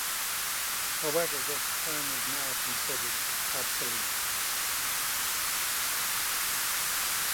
However this term is now considered obsolete.